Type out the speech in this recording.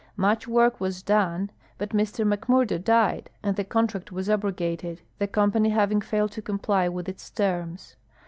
Much Avork Avas done, but Mr Mc Murdo di(;d and the contract AA'as abrogated, tlu' company hav ing failed to comply Avith its terms.